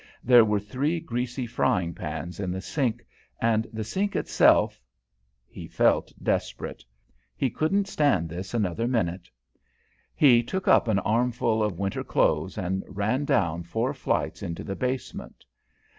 There were three greasy frying pans in the sink, and the sink itself He felt desperate. He couldn't stand this another minute. He took up an armful of winter clothes and ran down four flights into the basement.